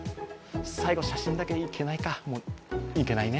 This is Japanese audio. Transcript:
最後、写真だけ、いけないかいけないね。